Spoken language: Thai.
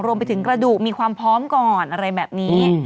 รวมไปถึงกระดูกมีความพร้อมก่อนอะไรแบบนี้